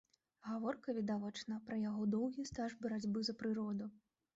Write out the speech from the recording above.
Гаворка, відавочна пра яго доўгі стаж барацьбы за прыроду.